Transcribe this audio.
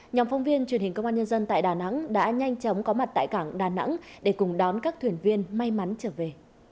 nhóm phóng viên truyền hình công an nhân dân tại đà nẵng đã nhanh chóng có mặt tại cảng đà nẵng để cùng đón các thuyền viên may mắn trở về